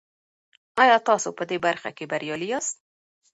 آیا تاسو په دې برخه کې بریالي یاست؟